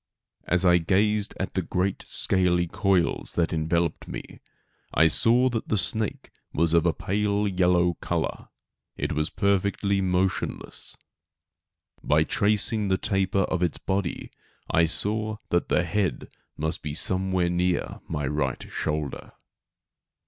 As I gazed at the great scaly coils that enveloped me, I saw that the snake was of a pale yellow color. It was perfectly motionless. By tracing the taper of its body I saw that the head must be somewhere near my right shoulder.